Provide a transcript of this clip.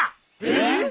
えっ！？